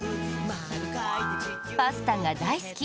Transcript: パスタが大好き！